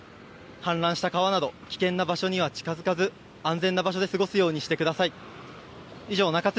氾濫した川など危険な場所には近づかず安全な場所で過ごすようにしてください。